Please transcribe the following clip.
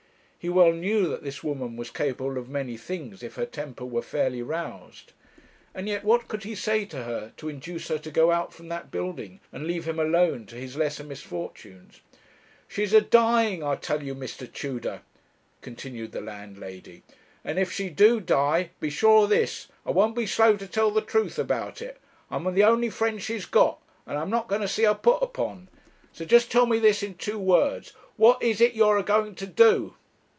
He well knew that this woman was capable of many things if her temper were fairly roused. And yet what could he say to her to induce her to go out from that building, and leave him alone to his lesser misfortunes? 'She's a dying, I tell you, Mr. Tudor,' continued the landlady, 'and if she do die, be sure of this, I won't be slow to tell the truth about it. I'm the only friend she's got, and I'm not going to see her put upon. So just tell me this in two words what is it you're a going to do?'